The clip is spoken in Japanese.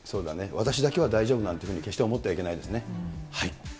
私だけは大丈夫なんて決して思ってはいけないですね。